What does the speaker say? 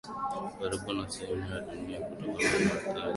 karibu na sehemu ya Dunia kutona na athari zinazotokea vichafuzi fulani